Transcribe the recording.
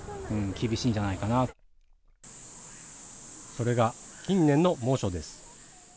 それが、近年の猛暑です。